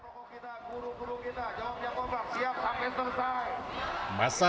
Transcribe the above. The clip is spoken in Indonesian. kuro kuro kita guru kuro kita jawabnya kompak siap sampai selesai